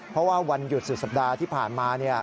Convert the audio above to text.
เพราะว่าวันหยุดสุดสัปดาห์ที่ผ่านมา